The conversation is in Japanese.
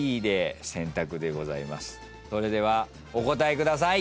それではお答えください。